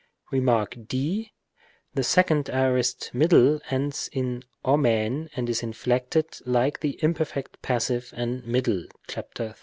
Rem. d. The second aorist middle ends in ou and is inflected like the imperfect passive and middle (§ 32).